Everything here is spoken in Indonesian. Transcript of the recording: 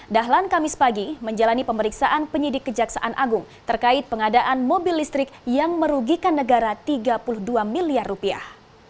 dahlan kamis pagi menjalani pemeriksaan penyidik kejaksaan agung terkait pengadaan mobil listrik yang merugikan negara tiga puluh dua miliar rupiah